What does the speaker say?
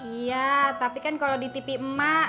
iya tapi kan kalau di tv emak